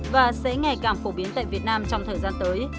và sẽ ngày càng phổ biến tại việt nam trong thời gian tới